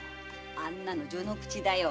あんなの序の口だよ。